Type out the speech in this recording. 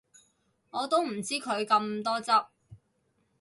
我都唔知佢咁多汁